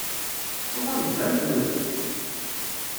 Tuɣaleḍ d amexlul?